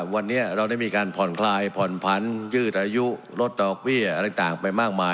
วันนี้เราได้มีการผ่อนคลายผ่อนผันยืดอายุลดดอกเบี้ยอะไรต่างไปมากมาย